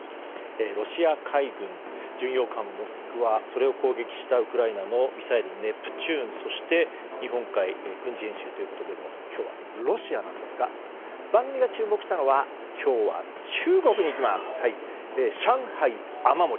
ロシア海軍、巡洋艦「モスクワ」それを攻撃したウクライナのミサイル、ネプチューンそして日本海軍事演習ということで今日はロシアなんですが番組が注目したのは今日は中国にいきます。